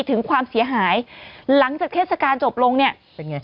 ถึงความเสียหายหลังจากเทศกาลจบลงเนี่ยเป็นไง